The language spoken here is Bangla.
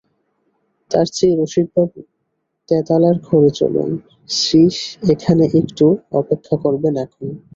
তার চেয়ে রসিকবাবু, তেতালার ঘরে চলুন– শ্রীশ এখানে একটু অপেক্ষা করবেন এখন।